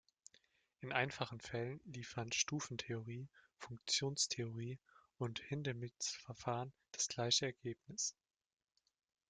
In einfachen Fällen liefern Stufentheorie, Funktionstheorie und Hindemiths Verfahren das gleiche Ergebnis.